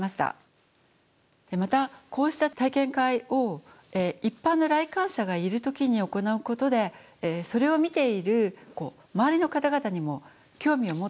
またこうした体験会を一般の来館者がいる時に行うことでそれを見ている周りの方々にも興味を持って頂けるのではないか。